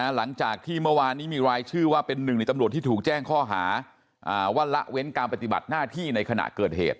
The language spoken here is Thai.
หลังจากที่เมื่อวานนี้มีรายชื่อว่าเป็นหนึ่งในตำรวจที่ถูกแจ้งข้อหาว่าละเว้นการปฏิบัติหน้าที่ในขณะเกิดเหตุ